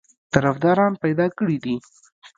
طرفداران پیدا کړي دي.